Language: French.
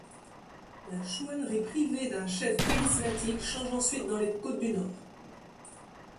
La chouannerie privée d'un chef charismatique change ensuite dans les Côtes-du-Nord.